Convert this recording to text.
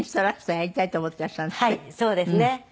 はいそうですね。